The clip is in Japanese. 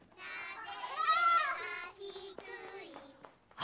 あ！